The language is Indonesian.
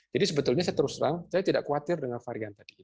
jadi sebetulnya saya terus terang saya tidak khawatir dengan varian tadi